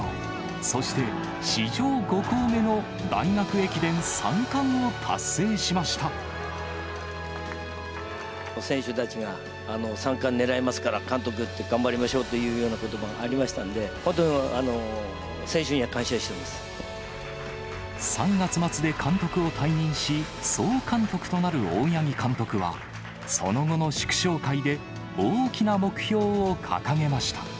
そして、史上５校目の、大学駅伝選手たちが、三冠狙いますから、監督、頑張りましょうというようなことばがありましたので、３月末で監督を退任し、総監督となる大八木監督は、その後の祝勝会で大きな目標を掲げました。